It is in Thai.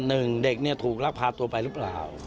หนึ่งเด็กเนี่ยถูกลักพาตัวไปหรือเปล่า